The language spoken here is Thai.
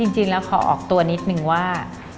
จริงแล้วขอออกตัวนิดนึงว่า